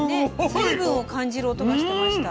水分を感じる音がしてました。